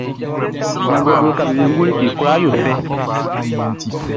Janvuɛʼm be uka be wiengu, like kwlaa yo fɛ.